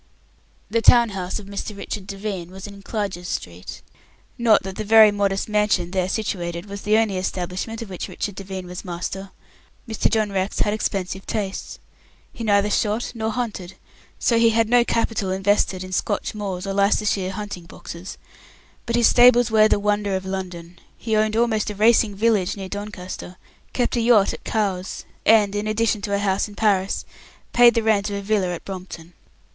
The town house of Mr. Richard Devine was in Clarges Street. Not that the very modest mansion there situated was the only establishment of which Richard Devine was master. Mr. John Rex had expensive tastes. He neither shot nor hunted, so he had no capital invested in Scotch moors or Leicestershire hunting boxes. But his stables were the wonder of London, he owned almost a racing village near Doncaster, kept a yacht at Cowes, and, in addition to a house in Paris, paid the rent of a villa at Brompton.